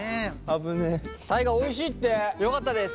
大我おいしいって。よかったです。